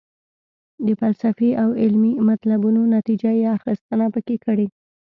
د فلسفي او علمي مطلبونو نتیجه یې اخیستنه پکې کړې.